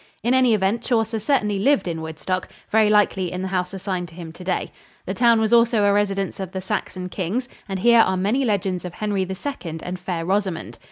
In any event, Chaucer certainly lived in Woodstock very likely in the house assigned to him today. The town was also a residence of the Saxon kings, and here are many legends of Henry II and Fair Rosamond.